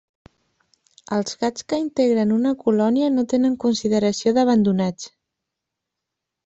Els gats que integren una colònia no tenen consideració d'abandonats.